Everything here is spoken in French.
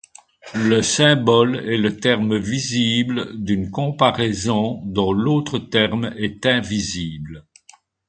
Le symbole est le terme visible d'une comparaison dont l'autre terme est invisible.